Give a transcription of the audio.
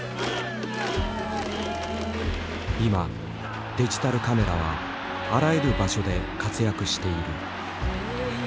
今デジタルカメラはあらゆる場所で活躍している。